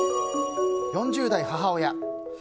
４０代、母親。